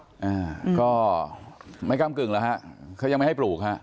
อ่าก็ไม่กล้ากึ่งแล้วฮะเขายังไม่ให้ปลูกฮะ